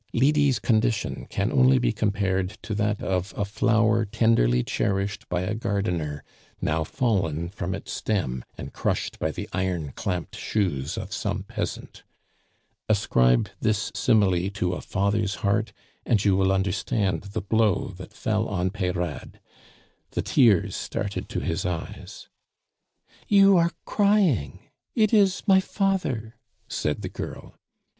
Lydie's condition can only be compared to that of a flower tenderly cherished by a gardener, now fallen from its stem, and crushed by the iron clamped shoes of some peasant. Ascribe this simile to a father's heart, and you will understand the blow that fell on Peyrade; the tears started to his eyes. "You are crying! It is my father!" said the girl.